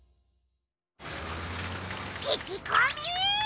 ききこみ！